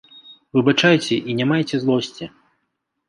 Выбачайце і не майце злосці.